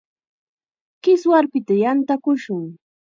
Kiswarpita yantakushun.